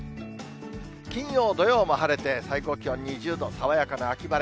金曜、土曜も晴れて、最高気温２０度、爽やかな秋晴れ。